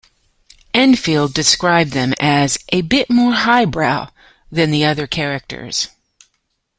Enfield described them as "a bit more highbrow" than the other characters.